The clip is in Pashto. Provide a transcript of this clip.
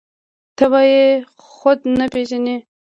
ته به يې خود نه پېژنې.